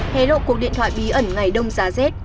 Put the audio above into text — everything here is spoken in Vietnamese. hè lộ cuộc điện thoại bí ẩn ngày đông giá rết